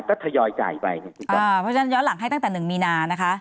ก็ทยอยจ่ายไปเพราะฉะนั้นย้อนหลังให้ตั้งแต่หนึ่งมีนานะคะ